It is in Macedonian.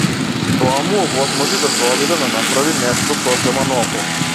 Тоа му овозможи да се обиде да направи нешто сосема ново.